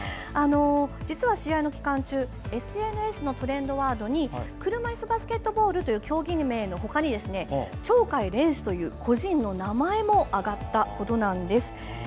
実は、試合の期間中ＳＮＳのトレンドワードに車いすバスケットボールという競技名のほかに鳥海連志という個人名も上がったほどなんです。